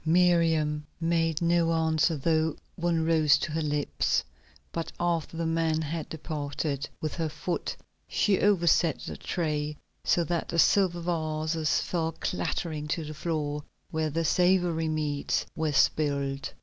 Miriam made no answer, though one rose to her lips; but after the man had departed, with her foot she overset the tray so that the silver vases fell clattering to the floor, where the savory meats were spilled.